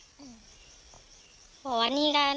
สมัครร้องนั้นแล้ว